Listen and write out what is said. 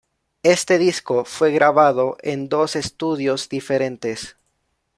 Este disco fue grabado en dos estudios diferentes.